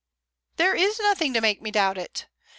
"There is nothing to make me doubt it.